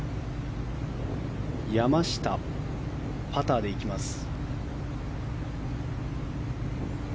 山下、パターで行きます。